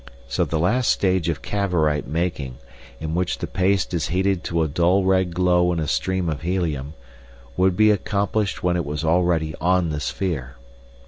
So the last stage of Cavorite making, in which the paste is heated to a dull red glow in a stream of helium, would be accomplished when it was already on the sphere.